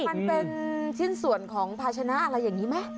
มันเป็นชิ้นส่วนของภาชนะอะไรอย่างนี้ไหม